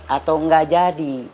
atau nggak jadi